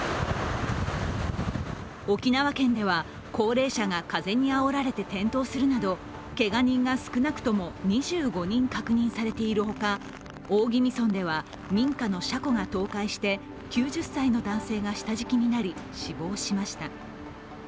沖縄県では、高齢者が風にあおられて転倒するなどけが人が少なくとも２５人確認されているほか大宜味村では民家の車庫が倒壊して、９０歳の男性が下敷きになり、死亡しました。